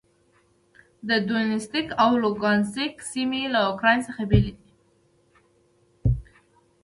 د دونیتسک او لوګانسک سیمې له اوکراین څخه بېلې کړې.